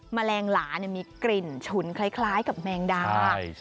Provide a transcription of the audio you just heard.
แมลงหลามีกลิ่นฉุนคล้ายกับแมงดา